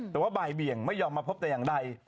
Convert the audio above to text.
แต่ว่าบ่ายเบี่ยงไม่ยอมมาพบแต่อย่างใด